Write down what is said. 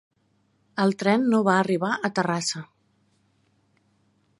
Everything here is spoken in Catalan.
El tren no va arribar a Terrassa.